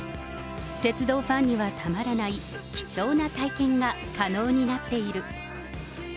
鉄道ファンにはたまらない、貴重な体験が可能になっている。